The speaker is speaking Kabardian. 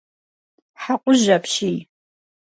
Хьэкъужь апщий.